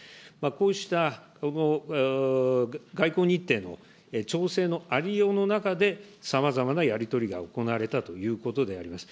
こうした外交日程の調整のありようの中で、さまざまなやり取りが行われたということであります。